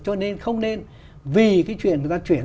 cho nên không nên vì cái chuyện người ta chuyển